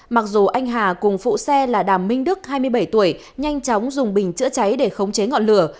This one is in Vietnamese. mặc dù anh hà cùng phụ xe là đàm minh đức hai mươi bảy tuổi nhanh chóng dùng bình chữa cháy để khống chế ngọn lửa